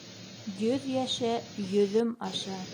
Йөҙ йәшә, йөҙөм аша!